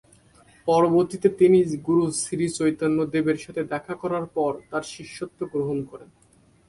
পরবর্তীতে তিনি গুরু শ্রীচৈতন্য দেবের সাথে দেখা করার পর তার শিষ্যত্ব গ্রহণ করেন।